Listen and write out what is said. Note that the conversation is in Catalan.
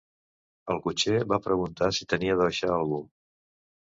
El cotxer va preguntar si tenia de baixar algú